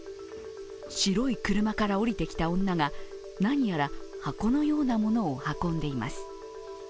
白い車から降りてきた女が何やら箱のようなものを運んでいます。